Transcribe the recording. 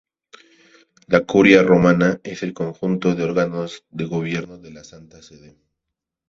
La Curia Romana es el conjunto de órganos de gobierno de la Santa Sede.